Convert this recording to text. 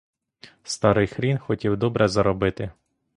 Старий хрін хотів добре заробити.